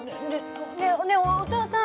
ねえねえお父さん